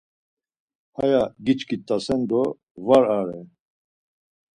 Haya giçkit̆asen do var are.